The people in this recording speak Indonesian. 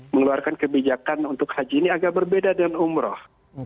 mengeluarkan kebijakan untuk haji ini agak berbeda dengan umroh